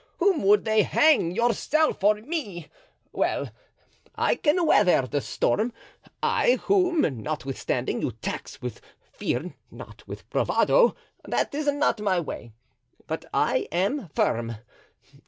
Whom would they hang, yourself or me? Well, I can weather the storm—I, whom, notwithstanding, you tax with fear—not with bravado, that is not my way; but I am firm.